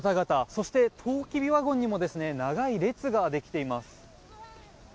そして、トウキビワゴンにも長い列ができています。